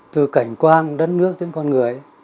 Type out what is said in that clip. từ cảnh quan đất nước đến con người ấy